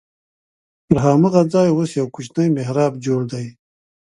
پر هماغه ځای اوس یو کوچنی محراب جوړ دی.